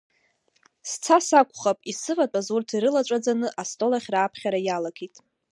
Сцас акәхап, исыватәаз урҭ ирылаҵәаӡаны астол ахь рааԥхьара иалагеит.